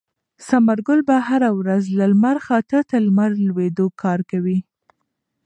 ثمرګل به هره ورځ له لمر خاته تر لمر لوېدو کار کوي.